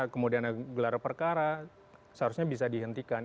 kemudian gelar perkara seharusnya bisa dihentikan